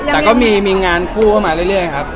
แต่ก็มีงานคู่เข้ามาเรื่อยครับ